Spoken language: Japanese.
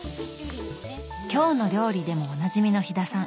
「きょうの料理」でもおなじみの飛田さん。